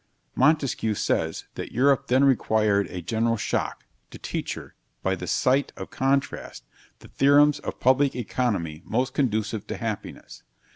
Montesquieu says, that Europe then required a general shock, to teach her, but the sight of contrasts, the theorems of public economy most conducive to happiness.